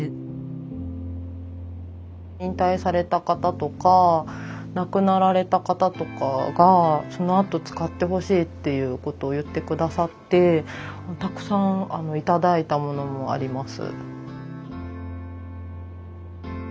引退された方とか亡くなられた方とかがそのあと使ってほしいっていうことを言って下さって小田原漆器の職人は刃物を自分で作ります。